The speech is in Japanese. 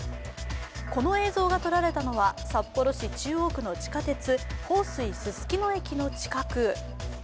この映像が撮られたのは札幌市中央区の地下鉄、豊水すすきの駅の近く。